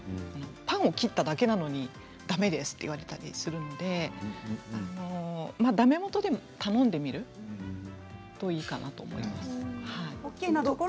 パンを切っているだけなのにだめですと言われたりするのでだめもとでも頼んでみるといいかなと思います。